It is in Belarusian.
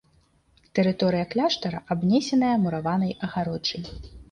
Тэрыторыя кляштара абнесеная мураванай агароджай.